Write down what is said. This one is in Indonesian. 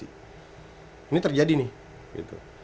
ini terjadi nih